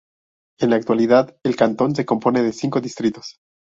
En la actualidad el cantón se compone de cinco distritos.